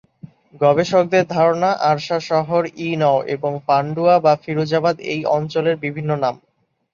গবেষকদের ধারণা, আরসা শহর-ই-নও এবং পান্ডুয়া বা ফিরুজাবাদ একই অঞ্চলের বিভিন্ন নাম।